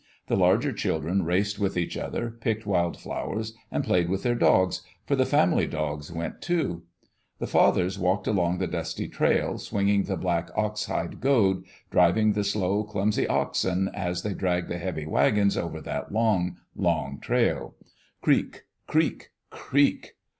The larger children raced with each other, picked wild flowers, and played with their dogs, for the family dogs went too. The fathers walked along the dusty trail, swinging the black ox hide goad, driving the slow, clumsy oxen as they dragged the heavy wagons over that long, long trail. Creak! Creak! Creak!